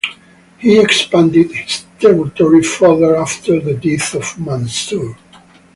He expanded his territory further after the death of Mansur.